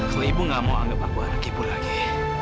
kalau ibu gak mau anggap aku anak ibu lagi